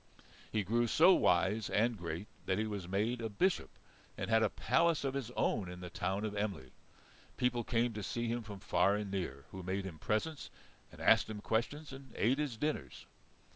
He grew so wise and great that he was made a Bishop and had a palace of his own in the town of Emly. People came to see him from far and near, who made him presents, and asked him questions, and ate his dinners.